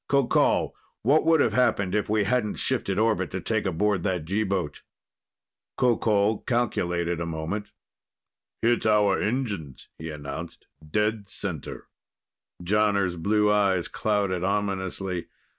"Qoqol, what would have happened if we hadn't shifted orbit to take aboard that G boat?" Qoqol calculated a moment. "Hit our engines," he announced. "Dead center." Jonner's blue eyes clouded ominously.